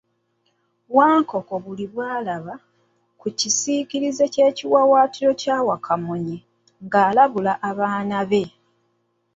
Wankoko buli lw'alaba ku kisiikirize ky'ekiwaawaatiro kya Wakamunye ng'alabula abaana be .